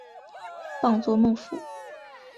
榜作孟富。